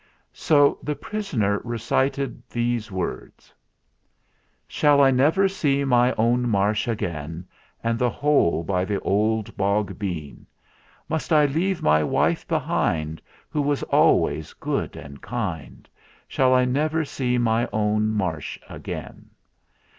So the prisoner recited these words : "Shall I never see my own Marsh again, And the hole by the old bog bean ? Must I leave my wife behind, Who was always good and kind? Shall I never see my own Marsh again